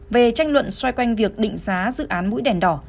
về tranh luận xoay quanh việc định giá dự án mũi đèn đỏ